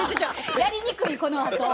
やりにくいこのあと。